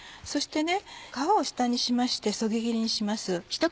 そして皮を下にしましてそぎ切りにします。